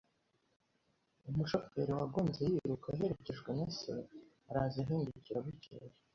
Umushoferi wagonze-yiruka, aherekejwe na se, araza ahindukira bukeye.